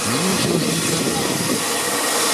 Мяне ўсё ж не прарвала.